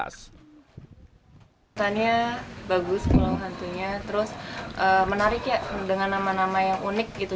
rasanya bagus tulang hantunya terus menarik ya dengan nama nama yang unik gitu